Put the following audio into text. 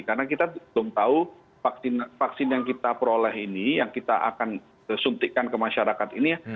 karena kita belum tahu vaksin yang kita peroleh ini yang kita akan disuntikkan ke masyarakat ini